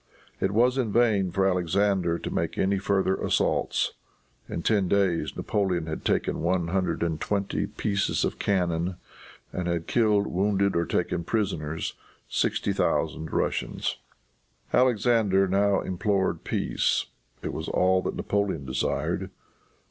It was in vain for Alexander to make any further assaults. In ten days Napoleon had taken one hundred and twenty pieces of cannon, and had killed, wounded or taken prisoners, sixty thousand Russians. Alexander now implored peace. It was all that Napoleon desired.